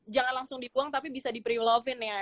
jangan langsung dipuang tapi bisa di prevelopin ya